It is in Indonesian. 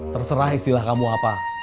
terserah istilah kamu apa